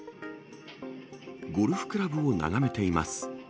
ゴルフクラブを眺めています。